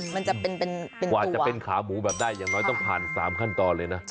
มันจะเป็นกว่าจะเป็นขาหมูแบบได้อย่างน้อยต้องผ่าน๓ขั้นตอนเลยนะ